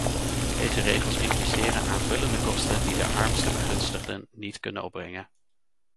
Deze regels impliceren aanvullende kosten die de armste begunstigden niet kunnen opbrengen.